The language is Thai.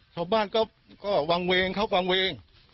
ชาวบ้านก็วางเวงเขาวางเวง